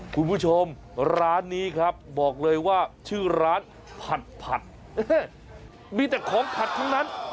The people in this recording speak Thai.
คุณผู้ชมร้านนี้ครับบอกเลยว่าชื่อร้านผัดมีแต่ของผัดทั้งนั้น